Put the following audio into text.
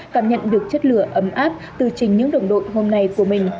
cảm nhận được chất lửa ấm áp từ chính những đồng đội hôm nay của mình